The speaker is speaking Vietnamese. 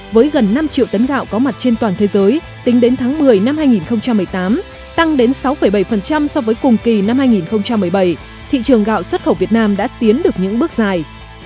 với gần năm triệu tấn gạo có mặt trên toàn thế giới tính đến tháng một mươi năm hai nghìn một mươi tám tăng đến sáu bảy so với cùng kỳ năm hai nghìn một mươi bảy thị trường gạo xuất khẩu việt nam đã tiến được những bước dài